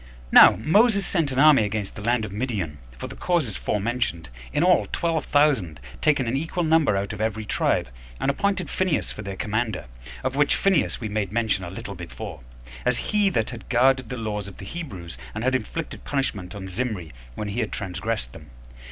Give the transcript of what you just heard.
1. Now Moses sent an army against the land of Midian, for the causes forementioned, in all twelve thousand, taking an equal number out of every tribe, and appointed Phineas for their commander; of which Phineas we made mention a little before, as he that had guarded the laws of the Hebrews, and had inflicted punishment on Zimri when he had transgressed them.